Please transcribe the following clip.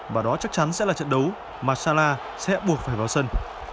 và đó chắc chắn sẽ là trận đấu mà salah sẽ buộc phải vào sân